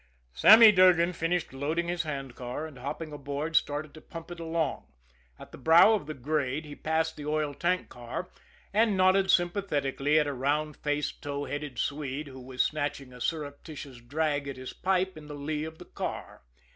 Sammy Durgan finished loading his handcar, and, hopping aboard, started to pump it along. At the brow of the grade he passed the oil tank car, and nodded sympathetically at a round faced, tow headed Swede who was snatching a surreptitious drag at his pipe in the lee of the car.